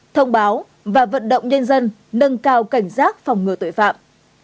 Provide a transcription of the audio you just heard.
thông báo và vận động nhân dân nâng cao cảnh giác phòng ngừa tội phạm